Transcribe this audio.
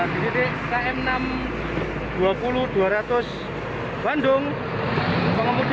di titik km enam ratus dua puluh dua ratus bandung menabrak kendaraan yang truk bermuatan apel tadi